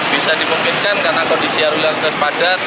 bisa dipungkinkan karena kondisi arus lantas padat